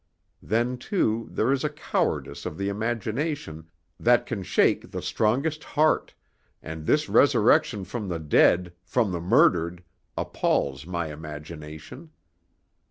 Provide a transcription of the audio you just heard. Then, too, there is a cowardice of the imagination that can shake the strongest heart, and this resurrection from the dead, from the murdered, appals my imagination.